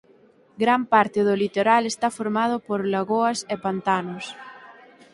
Gran parte do litoral está formado por lagoas e pantanos.